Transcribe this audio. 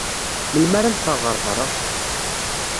Melmi ara neffeɣ ɣer beṛṛa?